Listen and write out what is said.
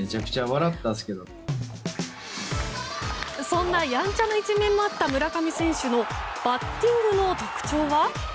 そんなやんちゃな一面もあった村上選手のバッティングの特徴は。